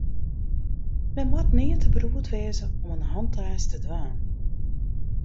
Men moat nea te beroerd wêze om in hantaast te dwaan.